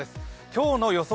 今日の予想